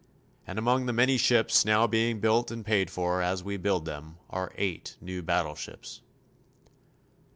And among the many ships now being built and paid for as we build them are 8 new battleships.